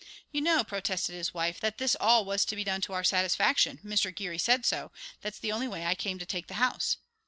"You know," protested his wife, "that this all was to be done to our satisfaction. Mr. Geary said so. That's the only way I came to take the house."